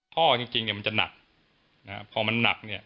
ท่อจริงมันจะหนักพอมันหนัก